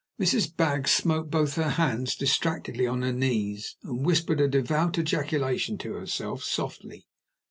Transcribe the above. Mrs. Baggs smote both her hands distractedly on her knees, and whispered a devout ejaculation to herself softly.